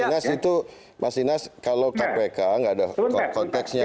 mas ines itu mas ines kalau kpk nggak ada konteksnya